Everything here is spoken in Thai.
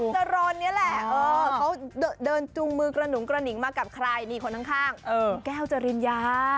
คุณท็อปเจอร์โรนนี่แหละเขาเดินจุงมือกระหนุงกระหนิงมากับใครคนข้างแก้วเจอริญญา